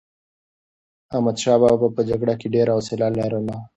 احمدشاه بابا په جګړه کې ډېر حوصله لرله.